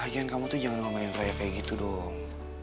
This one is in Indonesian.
hai jangan kamu tuh jangan ngomelin raya kayak gitu dong